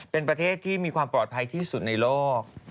เป็นประเทศที่มีความปลอดภัยที่สุดในโลก